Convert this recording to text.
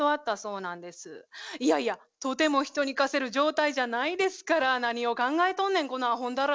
いやいやとても人に貸せる状態じゃないですから何を考えとんねんこのあほんだら。